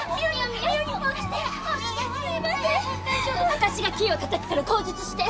私がキーをたたくから口述して！